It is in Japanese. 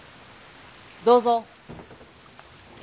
どうぞ。